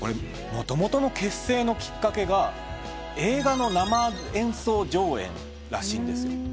もともとの結成のきっかけが映画の生演奏上映らしいんですよ。